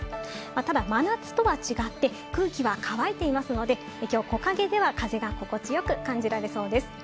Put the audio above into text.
ただ真夏とは違って空気は乾いていますので、今日は木陰では風が気持ちよく感じられそうです。